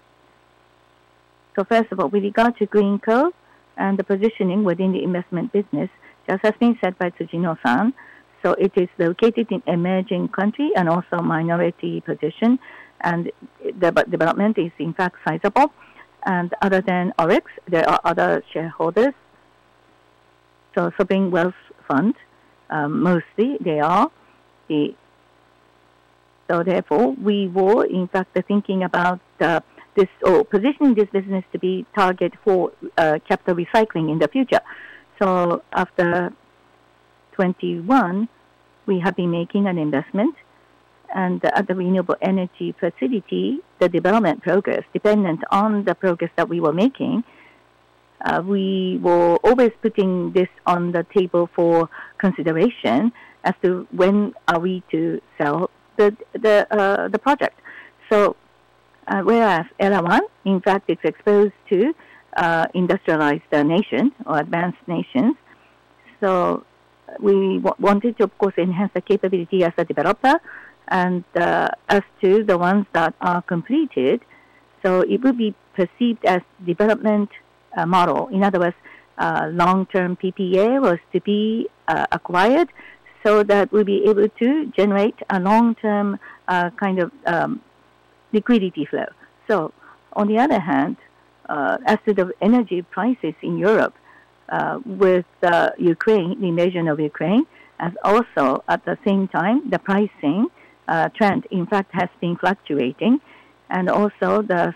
So first of all, with regard to Greenko and the positioning within the investment business, just as been said by Sugino-san, so it is located in an emerging country and also a minority position, and the development is, in fact, sizable. And other than ORIX, there are other shareholders. So Sovereign Wealth Fund, mostly they are. So therefore, we were, in fact, thinking about this or positioning this business to be target for capital recycling in the future. So after 2021, we have been making an investment, and at the renewable energy facility, the development progress, dependent on the progress that we were making, we were always putting this on the table for consideration as to when are we to sell the project. Whereas Elawan, in fact, it's exposed to industrialized nations or advanced nations. We wanted to, of course, enhance the capability as a developer and as to the ones that are completed. It would be perceived as a development model. In other words, long-term PPA was to be acquired so that we'd be able to generate a long-term kind of liquidity flow. On the other hand, as to the energy prices in Europe with the invasion of Ukraine, and also at the same time, the pricing trend, in fact, has been fluctuating. Also, the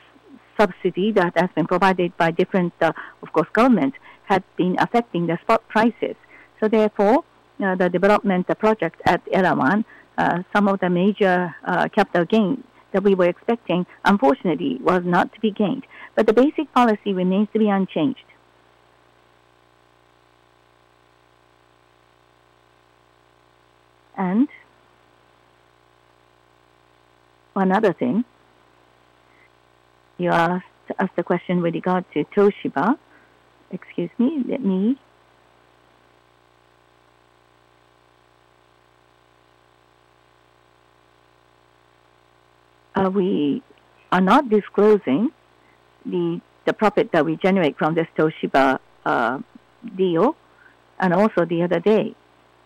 subsidy that has been provided by different, of course, governments has been affecting the spot prices. So therefore, the development project at Elawan, some of the major capital gains that we were expecting, unfortunately, was not to be gained. But the basic policy remains to be unchanged. One other thing. You asked the question with regard to Toshiba. Excuse me. Let me are we not disclosing the profit that we generate from this Toshiba deal? Also the other day,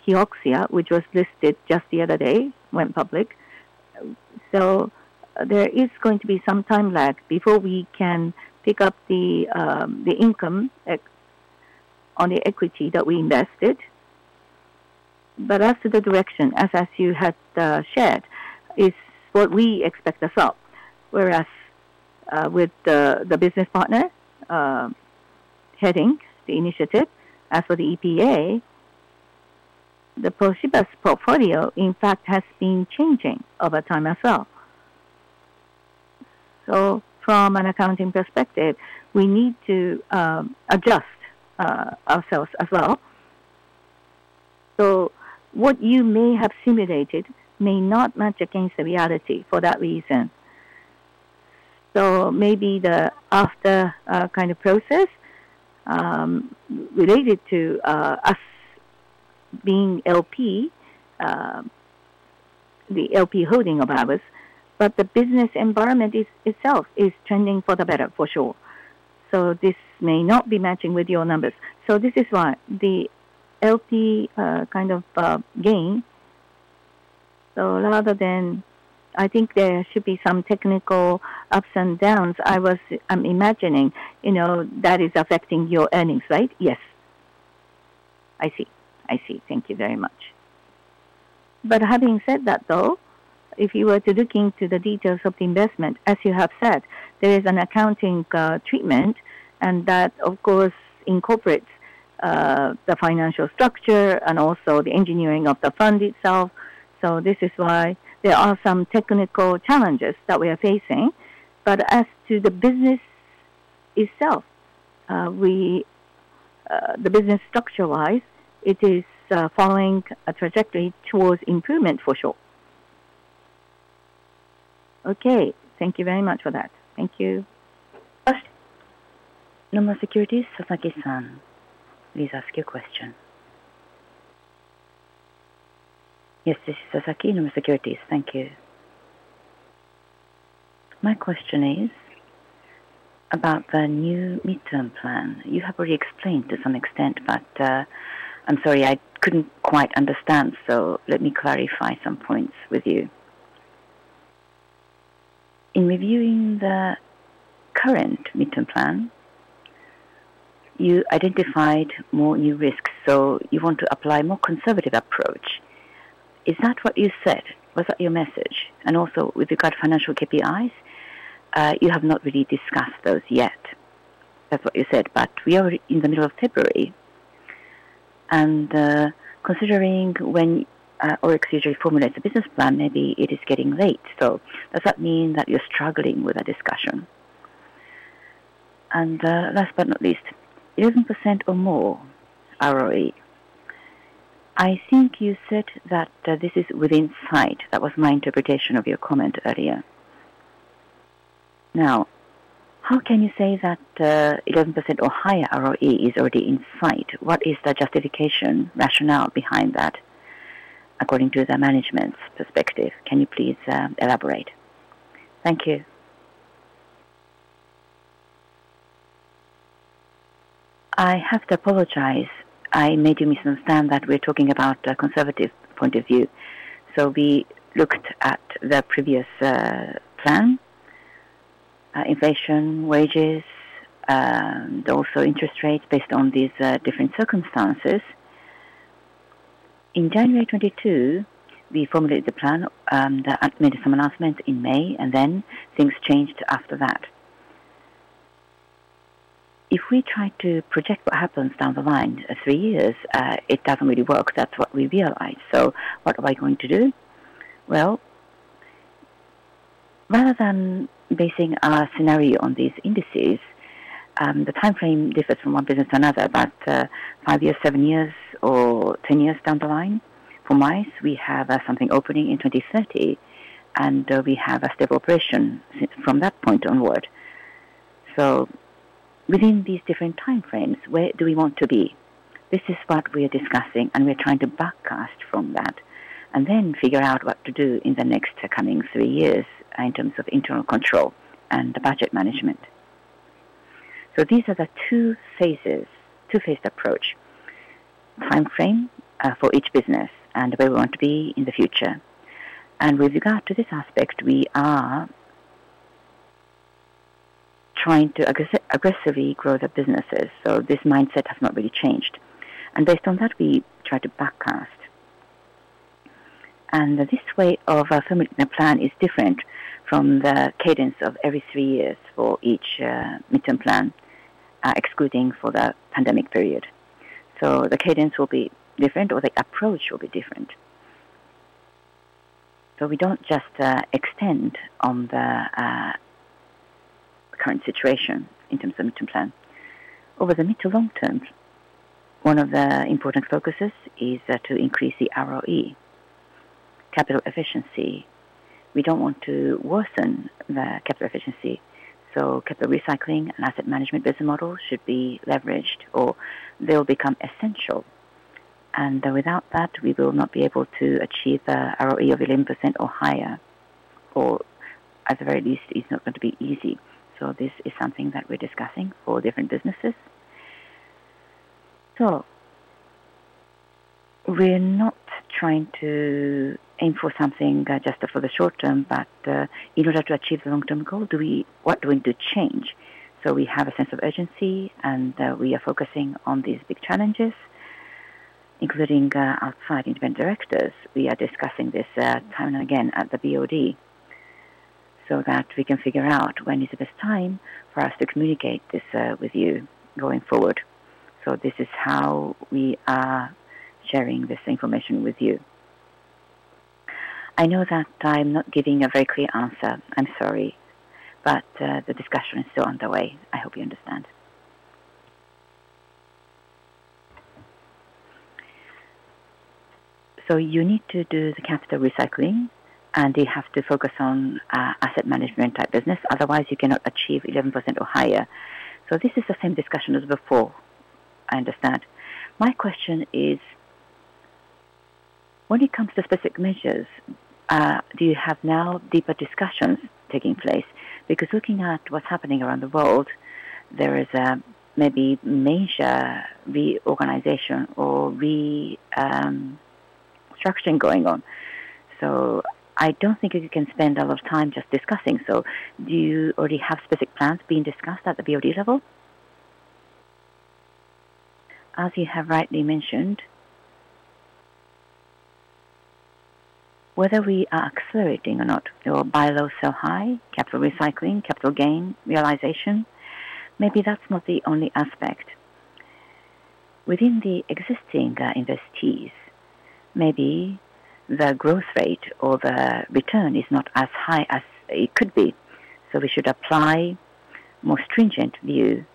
Kioxia, which was listed just the other day, went public. So there is going to be some time lag before we can pick up the income on the equity that we invested. But as to the direction, as you had shared, is what we expect as well. Whereas with the business partner heading the initiative, as for the EPA, Toshiba's portfolio, in fact, has been changing over time as well. So from an accounting perspective, we need to adjust ourselves as well. So what you may have simulated may not match against the reality for that reason. So maybe the after kind of process related to us being LP, the LP holding of ours, but the business environment itself is trending for the better, for sure. So this may not be matching with your numbers. So this is why the LP kind of gain. So rather than I think there should be some technical ups and downs. I'm imagining that is affecting your earnings, right? Yes. I see. I see. Thank you very much. But having said that, though, if you were to look into the details of the investment, as you have said, there is an accounting treatment, and that, of course, incorporates the financial structure and also the engineering of the fund itself. So this is why there are some technical challenges that we are facing. But as to the business itself, the business structure-wise, it is following a trajectory towards improvement, for sure. Okay. Thank you very much for that. Thank you. First, Nomura Securities, Sasaki-san. Please ask your question. Yes, this is Sasaki, Nomura Securities. Thank you. My question is about the new midterm plan. You have already explained to some extent, but I'm sorry, I couldn't quite understand, so let me clarify some points with you. In reviewing the current midterm plan, you identified more new risks, so you want to apply a more conservative approach. Is that what you said? Was that your message? And also, with regard to financial KPIs, you have not really discussed those yet. That's what you said, but we are in the middle of February, and considering when ORIX usually formulates a business plan, maybe it is getting late. So does that mean that you're struggling with a discussion? And last but not least, 11% or more ROE. I think you said that this is within sight. That was my interpretation of your comment earlier. Now, how can you say that 11% or higher ROE is already in sight? What is the justification rationale behind that according to the management's perspective? Can you please elaborate? Thank you. I have to apologize. I made you misunderstand that we're talking about a conservative point of view. We looked at the previous plan, inflation, wages, and also interest rates based on these different circumstances. In January 2022, we formulated the plan and made some announcements in May, and then things changed after that. If we try to project what happens down the line three years, it doesn't really work. That's what we realized. So what are we going to do? Well, rather than basing our scenario on these indices, the timeframe differs from one business to another, but five years, seven years, or 10 years down the line, for MICE, we have something opening in 2030, and we have a stable operation from that point onward. So within these different timeframes, where do we want to be? This is what we are discussing, and we're trying to backtest from that and then figure out what to do in the next coming three years in terms of internal control and budget management, so these are the two phases, two-phased approach, timeframe for each business and where we want to be in the future, and with regard to this aspect, we are trying to aggressively grow the businesses, so this mindset has not really changed, and based on that, we try to backtest, and this way of formulating the plan is different from the cadence of every three years for each midterm plan, excluding for the pandemic period, so the cadence will be different, or the approach will be different, so we don't just extend on the current situation in terms of midterm plan. Over the mid to long term, one of the important focuses is to increase the ROE, capital efficiency. We don't want to worsen the capital efficiency. So capital recycling and asset management business models should be leveraged, or they'll become essential. And without that, we will not be able to achieve the ROE of 11% or higher, or at the very least, it's not going to be easy. So this is something that we're discussing for different businesses. So we're not trying to aim for something just for the short term, but in order to achieve the long-term goal, what do we need to change? So we have a sense of urgency, and we are focusing on these big challenges, including outside independent directors. We are discussing this time and again at the BOD so that we can figure out when is the best time for us to communicate this with you going forward. So this is how we are sharing this information with you. I know that I'm not giving a very clear answer. I'm sorry, but the discussion is still underway. I hope you understand. So you need to do the capital recycling, and you have to focus on asset management type business. Otherwise, you cannot achieve 11% or higher. So this is the same discussion as before. I understand. My question is, when it comes to specific measures, do you have now deeper discussions taking place? Because looking at what's happening around the world, there is maybe major reorganization or restructuring going on. So I don't think you can spend a lot of time just discussing. Do you already have specific plans being discussed at the BOD level? As you have rightly mentioned, whether we are accelerating or not, or buy low sell high, capital recycling, capital gain realization, maybe that's not the only aspect. Within the existing investees, maybe the growth rate or the return is not as high as it could be. We should apply a more stringent view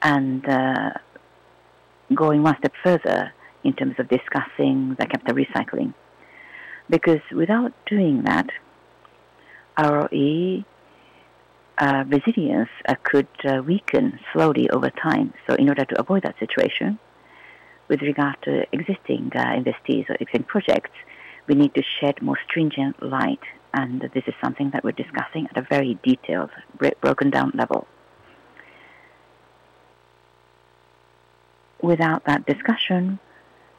and go one step further in terms of discussing the capital recycling. Because without doing that, ROE resilience could weaken slowly over time. In order to avoid that situation, with regard to existing investees or existing projects, we need to shed more stringent light. This is something that we're discussing at a very detailed broken-down level. Without that discussion,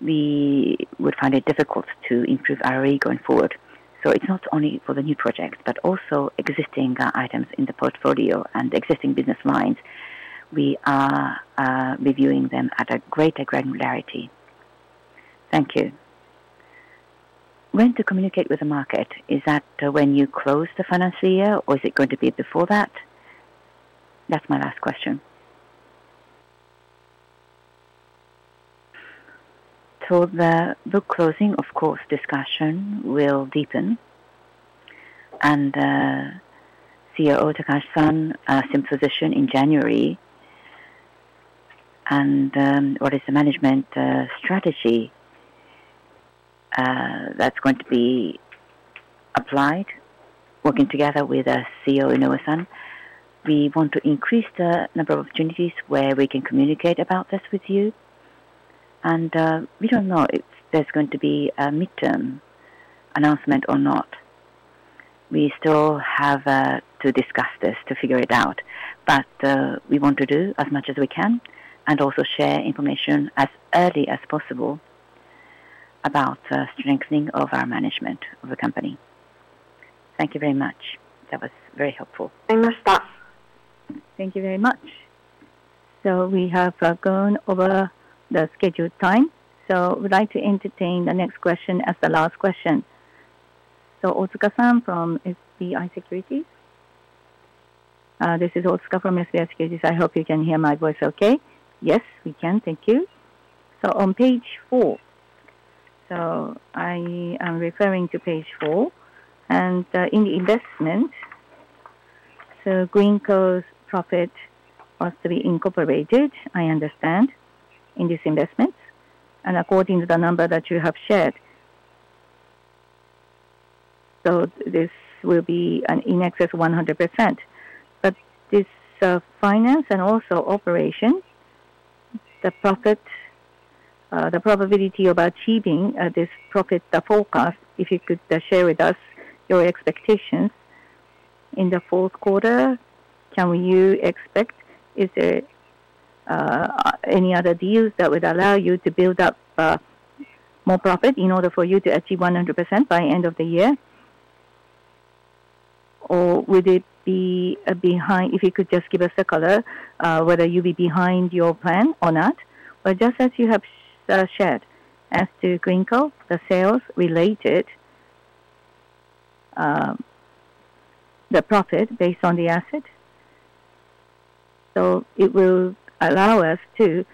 we would find it difficult to improve ROE going forward. So it's not only for the new projects, but also existing items in the portfolio and existing business lines. We are reviewing them at a greater granularity. Thank you. When to communicate with the market? Is that when you close the financial year, or is it going to be before that? That's my last question. So the book closing, of course, discussion will deepen. And CEO Takahashi-san, same position in January. And what is the management strategy that's going to be applied? Working together with CEO Inoue-san, we want to increase the number of opportunities where we can communicate about this with you. And we don't know if there's going to be a midterm announcement or not. We still have to discuss this to figure it out, but we want to do as much as we can and also share information as early as possible about strengthening of our management of the company. Thank you very much. That was very helpful. Thank you very much. So we have gone over the scheduled time. So we'd like to entertain the next question as the last question. So Otsuka-san from SBI Securities. This is Otsuka from SBI Securities. I hope you can hear my voice okay. Yes, we can. Thank you. So on page four, so I am referring to page four. And in the investment, so Greenko profit was to be incorporated, I understand, in this investment. And according to the number that you have shared, so this will be an excess 100%. But this finance and also operation, the probability of achieving this profit, the forecast, if you could share with us your expectations in the fourth quarter. Can you expect? Is there any other deals that would allow you to build up more profit in order for you to achieve 100% by end of the year? Or would it be behind if you could just give us a color whether you'll be behind your plan or not? Just as you have shared, as to Greenko, the sales related the profit based on the asset. So it will allow us to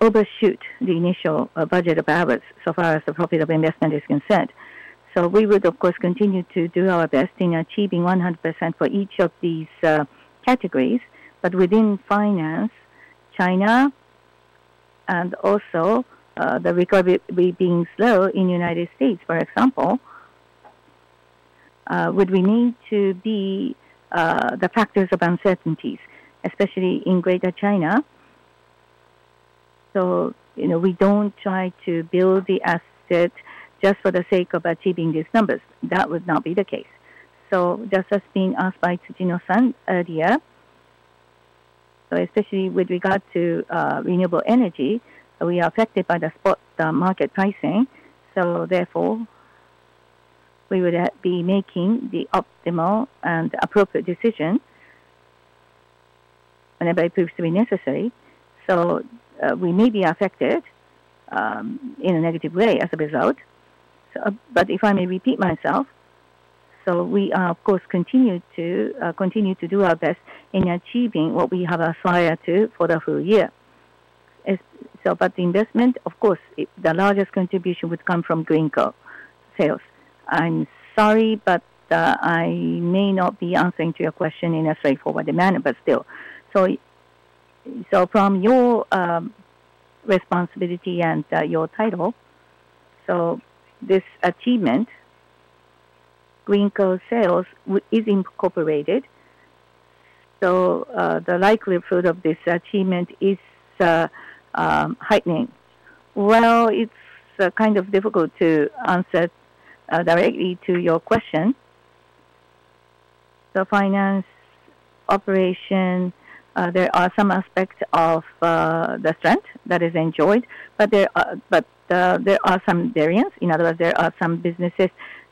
overshoot the initial budget of ours so far as the profit of investment is concerned. We would, of course, continue to do our best in achieving 100% for each of these categories. But within finance, China, and also the recovery being slow in the United States, for example, would be the factors of uncertainties, especially in Greater China. We don't try to build the asset just for the sake of achieving these numbers. That would not be the case. Just as being asked by Tsujino-san earlier, especially with regard to renewable energy, we are affected by the spot market pricing. Therefore, we would be making the optimal and appropriate decision whenever it proves to be necessary. We may be affected in a negative way as a result. If I may repeat myself, we are, of course, continuing to do our best in achieving what we have aspired to for the full year. The investment, of course, the largest contribution would come from Greenko sales. I'm sorry, but I may not be answering to your question in a straightforward manner, but still, so from your responsibility and your title, so this achievement, Greenko sales is incorporated. So the likelihood of this achievement is heightening. Well, it's kind of difficult to answer directly to your question. The finance operation, there are some aspects of the strength that is enjoyed, but there are some variants. In other words, there are some businesses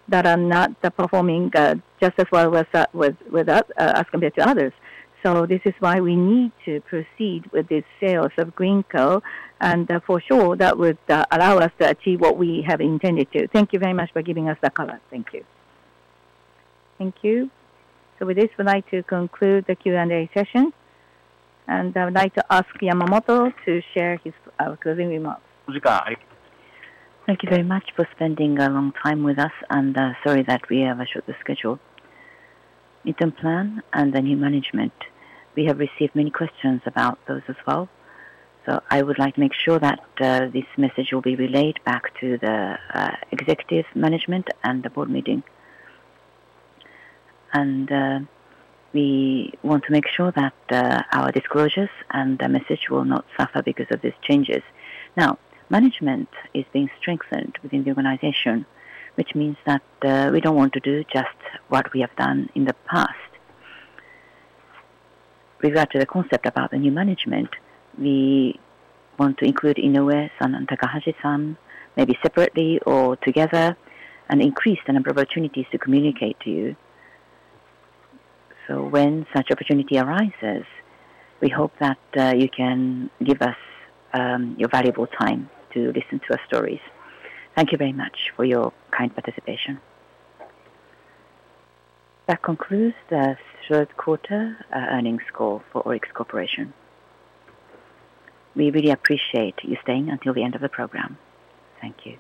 that are not performing just as well as compared to others. So this is why we need to proceed with this sales of Greenko, and for sure, that would allow us to achieve what we have intended to. Thank you very much for giving us the color. Thank you. Thank you. So with this, we'd like to conclude the Q&A session, and I would like to ask Yamamoto to share his closing remarks. Thank you very much for spending a long time with us, and sorry that we have a short schedule. Midterm plan and the new management. We have received many questions about those as well, so I would like to make sure that this message will be relayed back to the executive management and the board meeting, and we want to make sure that our disclosures and the message will not suffer because of these changes. Now, management is being strengthened within the organization, which means that we don't want to do just what we have done in the past. With regard to the concept about the new management, we want to include Inoue-san and Takahashi-san maybe separately or together and increase the number of opportunities to communicate to you, so when such opportunity arises, we hope that you can give us your valuable time to listen to our stories. Thank you very much for your kind participation. That concludes the third quarter earnings call for ORIX Corporation. We really appreciate you staying until the end of the program. Thank you.